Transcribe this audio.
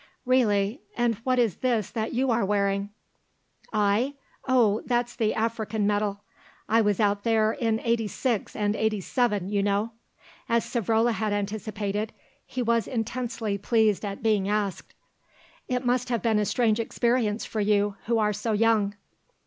"Really, and what is this that you are wearing?" "I! Oh, that's the African medal. I was out there in '86 and '87, you know." As Savrola had anticipated, he was intensely pleased at being asked. "It must have been a strange experience for you, who are so young."